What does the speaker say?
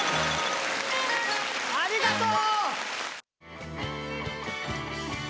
ありがとう。